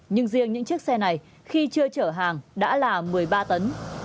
nhưng riêng những chiếc xe này khi chưa chở hàng đã là một mươi ba tấn